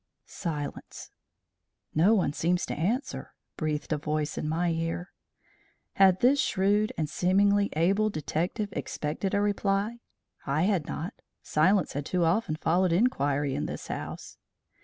Silence. "No one seems to answer," breathed a voice in my ear. Had this shrewd and seemingly able detective expected a reply? I had not. Silence had too often followed inquiry in this house.